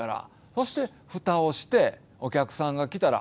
そして蓋をしてお客さんが来たら。